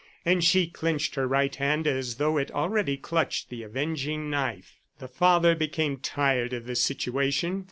And she clenched her right hand as though it already clutched the avenging knife. The father became tired of this situation.